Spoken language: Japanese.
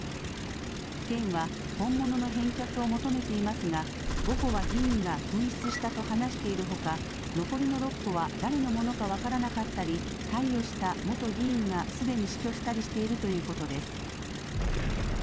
県は本物の返却を求めていますが５個は議員が紛失したと話しているほか残りの６個は誰のものか分からなかったり貸与した元議員がすでに死去したりしているということです。